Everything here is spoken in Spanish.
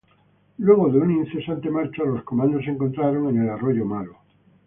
Luego de una incesante marcha, los comandos se encontraron con el arroyo Malo.